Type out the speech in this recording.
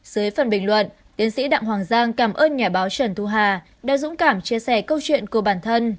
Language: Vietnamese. dưới phần bình luận tiến sĩ đặng hoàng giang cảm ơn nhà báo trần thu hà đã dũng cảm chia sẻ câu chuyện của bản thân